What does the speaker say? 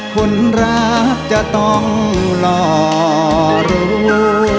คนรักจะต้องหล่อรู้